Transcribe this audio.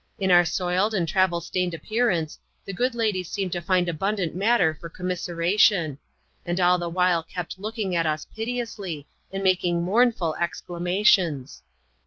In our soiled and travel stained appearance, the good lady seemed to find abundant matter for commiseration ; and all the while kept looking at us piteously, and making mournful exclamations.